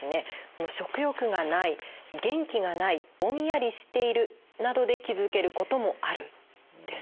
食欲がない元気がないぼんやりしているなどで気付けることもあるんです。